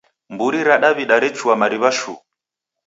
Mburi ra Daw'ida rechua mariw'a shuu.